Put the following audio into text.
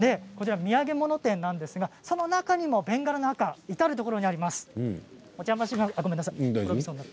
土産物店なんですがその中にもベンガラの赤至る所にあります。